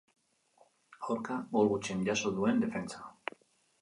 Aurka, gol gutxien jaso duen defentsa.